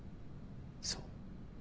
そう。